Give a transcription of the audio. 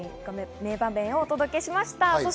名場面をお届けしました。